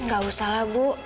gak usah lah bu